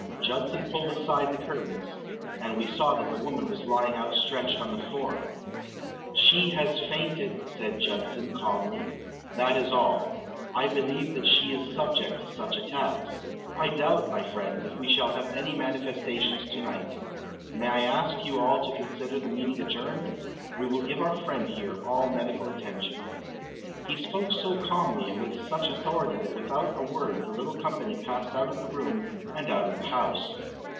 Judson pulled aside the curtains, and we saw that the woman was lying outstretched on the floor. "She has fainted," said Judson, calmly. "That is all. I believe that she is subject to such attacks. I doubt, my friends, if we shall have any manifestations to night. May I ask you all to consider the meeting adjourned? I will give our friend here all medical attention." He spoke so calmly and with such authority that without a word the little company passed out of the room and out of the house.